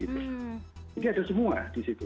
jadi ada semua di situ